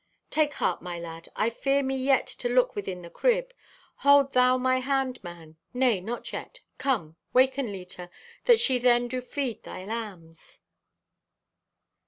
"Take heart, my lad, I fear me yet to look within the crib. Hold thou my hand, man. Nay, not yet! Come, waken Leta that she then do feed thy lambs."